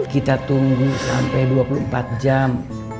kita tunggu sampai dua puluh empat jam